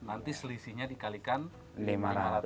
nanti selisihnya dikalikan rp lima lima ratus